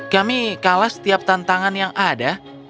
kami kalah setiap tantangan yang ada